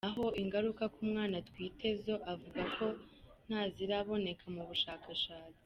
Naho ingaruka ku mwana atwite zo, avuga ko ntaziraboneka mu bushakashatsi.